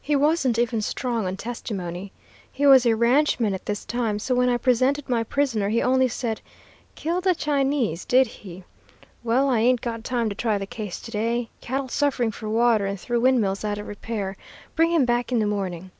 He wasn't even strong on testimony. He was a ranchman at this time, so when I presented my prisoner he only said, 'Killed a Chinese, did he? Well, I ain't got time to try the case to day. Cattle suffering for water, and three windmills out of repair. Bring him back in the morning.'